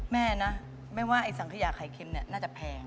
แม่นะไม่ว่าสังเกษียะไข่เค็มนี่น่าจะแพง